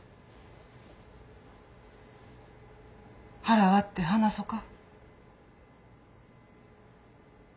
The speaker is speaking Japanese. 腹割って話そか。